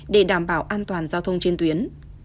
để đảm bảo an toàn giao thông trên tuyến